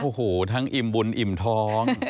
โอ้โหทั้งอิ่มบุญอิ่มท้อง